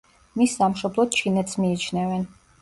მის სამშობლოდ ჩინეთს მიიჩნევენ.